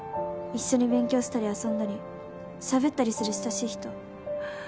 「一緒に勉強したり遊んだりしゃべったりする親しい人」